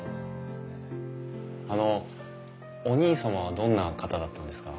あのお兄様はどんな方だったんですか？